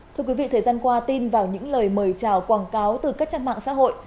thưa quý vị thời gian qua tin vào những lời mời chào quảng cáo từ các trang mạng xã hội